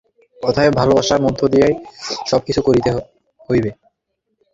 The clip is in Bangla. অতএব ভালবাসার মধ্য দিয়াই সব কিছু করিতে হইবে।